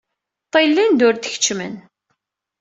Ṭṭillin-d ur d-keččemen.